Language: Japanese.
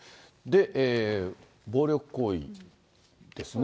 暴力行為ですね。